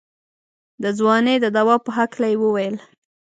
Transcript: د ځوانۍ د دوا په هکله يې وويل.